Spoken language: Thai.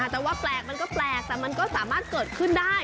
แต่ว่าแปลกมันก็แปลกแต่มันก็สามารถเกิดขึ้นได้